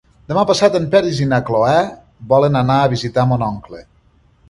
Demà passat en Peris i na Cloè volen anar a visitar mon oncle.